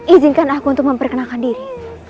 izinkan aku untuk memperkenalkan diri